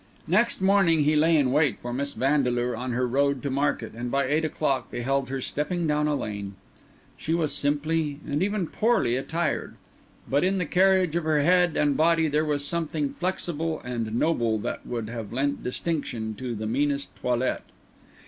Next morning he lay in wait for Miss Vandeleur on her road to market, and by eight o'clock beheld her stepping down a lane. She was simply, and even poorly, attired; but in the carriage of her head and body there was something flexible and noble that would have lent distinction to the meanest toilette.